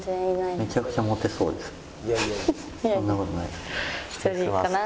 めちゃくちゃモテそうですけど。